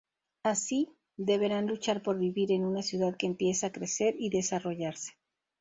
Así, deberán luchar por vivir en una ciudad que empieza a crecer y desarrollarse.